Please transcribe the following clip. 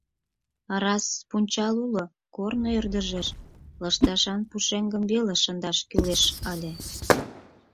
Раз пунчал уло, корно ӧрдыжеш лышташан пушеҥгым веле шындаш кӱлеш ыле.